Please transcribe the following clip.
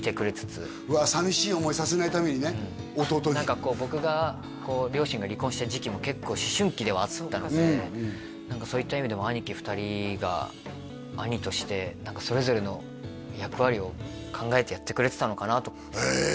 弟に僕が両親が離婚した時期も結構思春期ではあったのでそういった意味でも兄貴２人が兄としてそれぞれの役割を考えてやってくれてたのかなとえ！